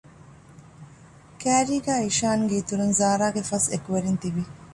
ކައިރީގައި އިޝާންގެ އިތުރުން ޒާރާގެ ފަސް އެކުވެރިން ތިވި